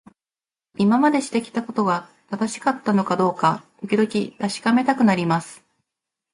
今までしてきたことが正しかったのかどうか、時々確かめたくなります。